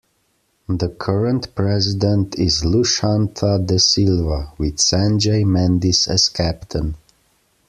The current president is Lushantha De Silva with Sanjay Mendis as captain.